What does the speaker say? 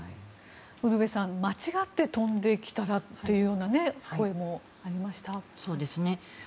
ウルヴェさん間違って飛んできたらというような声もありましたね。